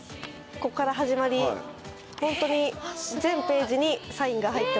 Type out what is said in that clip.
ここから始まりホントに全ページにサインが入ってます。